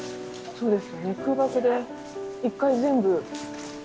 そうです。